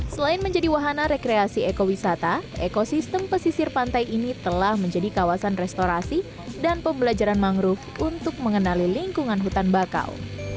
selain menjadi wahana rekreasi ekowisata ekosistem pesisir pantai ini telah menjadi kawasan restorasi dan pembelajaran mangrove untuk mengenali lingkungan hutan bakau